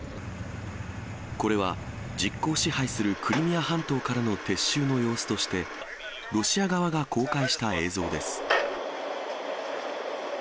これは、実効支配するクリミア半島からの撤収の様子として、ロシア側が公開した映像です。